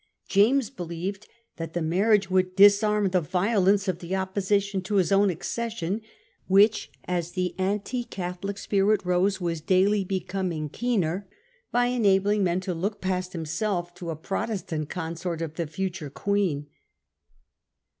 James believed that the marriage would disarm the violence of the Opposition to his own accession, which as the anti Catholic spirit rose was daily becoming keener, by enabling men to look past himself to a Protestant consort of the future Queen.